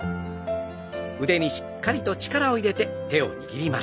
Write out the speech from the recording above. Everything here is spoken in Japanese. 腕にしっかりと力を入れながら握ります。